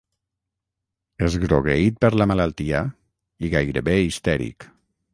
Esgrogueït per la malaltia, i gairebé histèric.